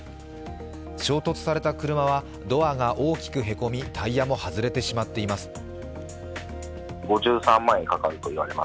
衝突された車はドアが大きくへこみ、タイヤも外れてしまっています。